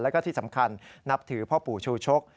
แล้วก็ที่สำคัญนับถือพ่อปู่ชูชก